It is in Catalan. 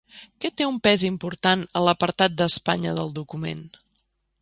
Què té un pes important a l'apartat d'Espanya del document?